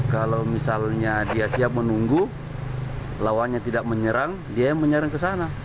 kalau misalnya dia siap menunggu lawannya tidak menyerang dia yang menyerang ke sana